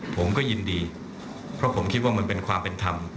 ผมก็ยินดีเพราะผมคิดว่ามันเป็นความเป็นธรรม